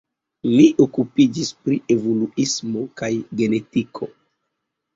Li okupiĝis pri evoluismo kaj genetiko.